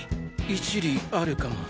一理あるかも。